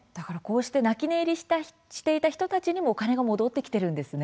泣き寝入りしていた人にもお金が戻ってきているのですね。